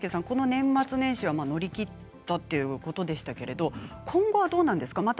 この年末年始を乗り切ったということでしたけれども今後はどうなんですか？